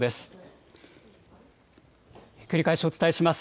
繰り返しお伝えします。